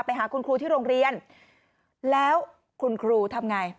ไปหาคุณครูที่โรงเรียนแล้วคุณครูทำไง